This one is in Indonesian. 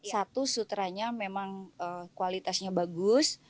satu sutranya memang kualitasnya bagus